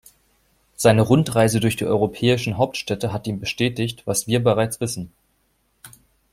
Seine Rundreise durch die europäischen Hauptstädte hat ihm bestätigt, was wir bereits wissen.